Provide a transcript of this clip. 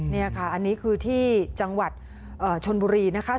นี่ค่ะอันนี้คือที่จังหวัดชนบุรีนะคะ